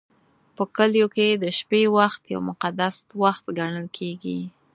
په کلیو کې د شپې وخت یو مقدس وخت ګڼل کېږي.